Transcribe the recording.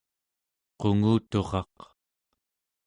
qunguturaq